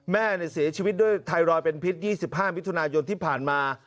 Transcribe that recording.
แม่เนี่ยเสียชีวิตด้วยไทรรอยเป็นพิษ๒๕วิทยุทธิ์ทุนายนที่ผ่านมา